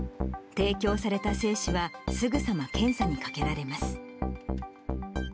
提供された精子は、すぐさま検査にかけられます。